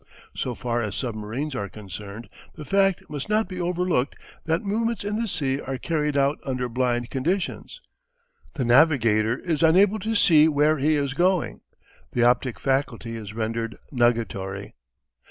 So far as submarines are concerned the fact must not be over looked that movements in the sea are carried out under blind conditions: the navigator is unable to see where he is going; the optic faculty is rendered nugatory.